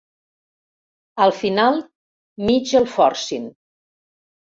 Al final, mig el forcin.